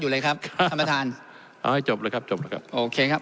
เลยครับท่านประธานเอาให้จบเลยครับจบแล้วครับโอเคครับ